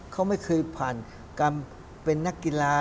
เขาไม่เคยผ่านกรรมเป็นนักกีฬา